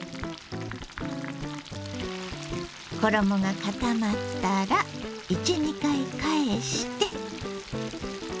衣が固まったら１２回返して。